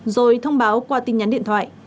rồi thông báo qua tin nhắn điện thoại